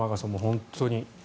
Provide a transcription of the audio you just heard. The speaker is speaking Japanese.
本当に。